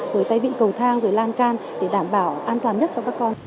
rồi tay bị cầu thang rồi lan can để đảm bảo an toàn nhất cho các con